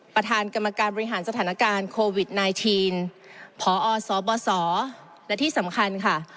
ประธานกรรมการบริหารสถานการณ์โควิด๑๙พอสบสและที่สำคัญค่ะ